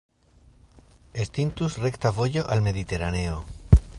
Estintus rekta vojo al Mediteraneo.